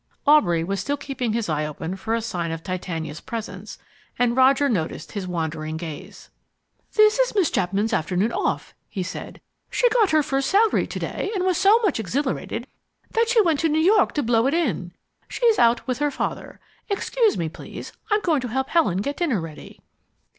Aubrey was still keeping his eye open for a sign of Titania's presence, and Roger noticed his wandering gaze. "This is Miss Chapman's afternoon off," he said. "She got her first salary to day, and was so much exhilarated that she went to New York to blow it in. She's out with her father. Excuse me, please, I'm going to help Helen get dinner ready."